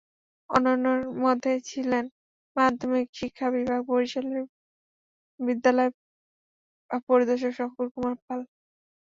অন্যান্যের মধ্যে ছিলেন মাধ্যমিক শিক্ষা বিভাগ বরিশালে বিদ্যালয় পরিদর্শক শংকর কুমার পাল।